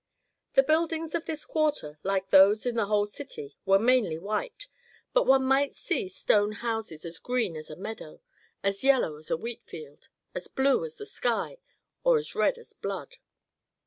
The buildings of this quarter, like those in the whole city, were mainly white; but one might see stone houses as green as a meadow, as yellow as a wheat field, as blue as the sky, or as red as blood.